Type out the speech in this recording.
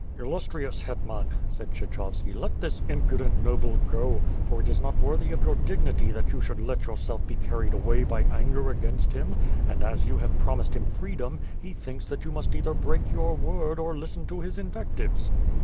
"Illustrious Hetman," said Kshechovski, "let this impudent noble go, for it is not worthy of your dignity that you should WITH FIRE AND SWORD. jy^ let yourself be carried away by anger against him; and, as you have promised him freedom, he thinks that you must either break your word or listen to his invectives."